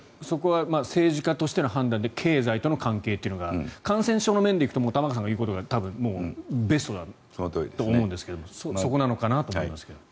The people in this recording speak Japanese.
そこは政治家としての判断で経済との関係というのが感染症の面でいうと玉川さんが言うことが多分ベストだと思うんですけどそこなのかなと思いますが。